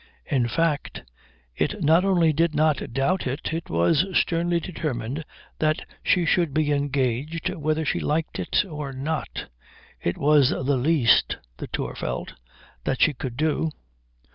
In fact it not only did not doubt it, it was sternly determined that she should be engaged whether she liked it or not. It was the least, the Tour felt, that she could do.